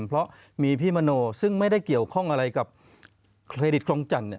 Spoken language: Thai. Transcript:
เพราะมีพี่มโนซึ่งไม่ได้เกี่ยวข้องอะไรกับเครดิตคลองจันทร์